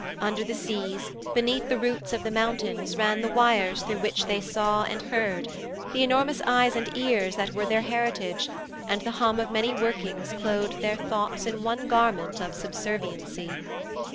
Under the seas, beneath the roots of the mountains, ran the wires through which they saw and heard, the enormous eyes and ears that were their heritage, and the hum of many workings clothed their thoughts in one garment of subserviency.